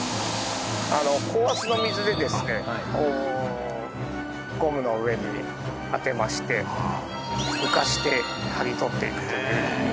高圧の水をゴムの上に当てまして浮かせて剥ぎ取っていくという。